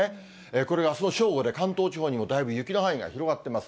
これがあすの正午で、関東地方にもだいぶ雪の範囲が広がってます。